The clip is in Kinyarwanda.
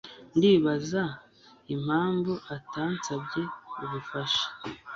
Ndibaza impamvu atansabye ubufasha.